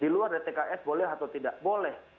di luar dtks boleh atau tidak boleh